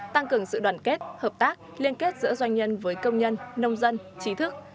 tăng cường sự đoàn kết hợp tác liên kết giữa doanh nhân với công nhân nông dân trí thức